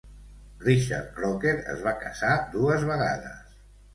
Richard Croker es va casar dues vegades.